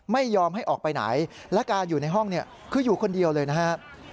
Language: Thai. ไม่ยอมให้ออกไปไหนและการอยู่ในห้องเนี่ยคืออยู่คนเดียวเลยนะครับ